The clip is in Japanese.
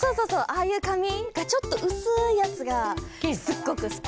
ああいうかみがちょっとうすいやつがすっごくすき。